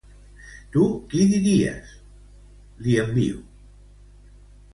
Tu qui diries? —li envio.